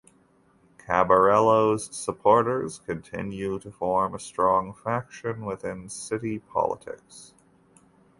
Caballero's supporters continue to form a strong faction within city politics.